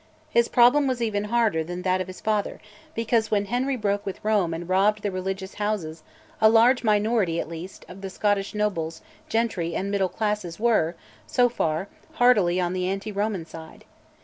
His problem was even harder than that of his father, because when Henry broke with Rome and robbed the religious houses a large minority, at least, of the Scottish nobles, gentry, and middle classes were, so far, heartily on the anti Roman side.